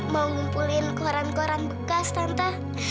mau ngumpulin koran koran bekas tante